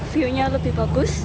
view nya lebih bagus